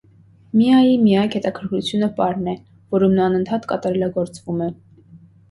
Միայի միակ հետաքրքրությունը պարն է, որում նա անընդհատ կատարելագործվում է։